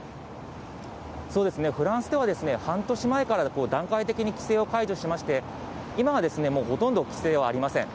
フランスでは半年前から段階的に規制を解除しまして、今はもうほとんど規制はありません。